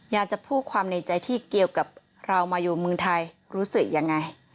อยากจะพูดความในใจที่เกี่ยวกับเรามาอยู่เมืองไทยรู้สึกยังไง